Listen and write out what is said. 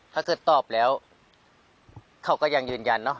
ถ้าเกิดตอบแล้วเขาก็ยังยืนยันเนอะ